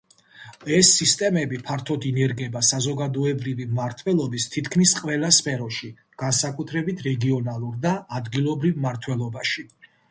ეს სისტემები ფართოდ ინერგება საზოგადოებრივი მმართველობის თითქმის ყველა სფეროში, განსაკუთრებით რეგიონულ და ადგილობრივ მმართველობაში.